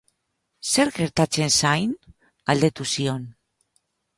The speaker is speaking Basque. Zer gertatzen zain? Galdetu zion.